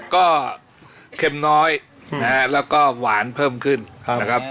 ก็เค็มน้อยนะฮะแล้วก็หวานเพิ่มขึ้นนะครับ